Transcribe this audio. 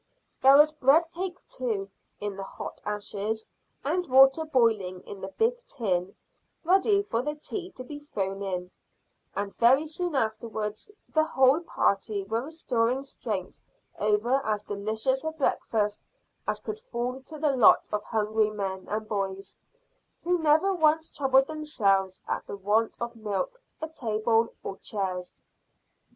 There was bread cake, too, in the hot ashes, and water boiling in the big tin, ready for the tea to be thrown in, and very soon afterwards the whole party were restoring strength over as delicious a breakfast as could fall to the lot of hungry men and boys, who never once troubled themselves at the want of milk, a table, or chairs.